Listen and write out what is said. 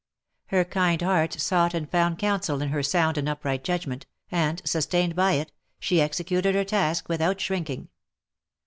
Her kind heart sought and found counsel in her sound and upright judgment, and, sustained by it, she executed her task without shrinking.